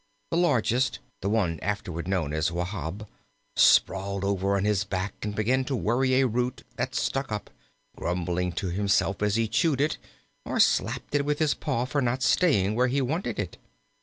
The largest, the one afterward known as Wahb, sprawled over on his back and began to worry a root that stuck up, grumbling to himself as he chewed it, or slapped it with his paw for not staying where he wanted it.